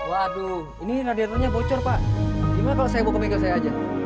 waduh ini radiannya bocor pak gimana kalau saya bawa ke bingkai saya aja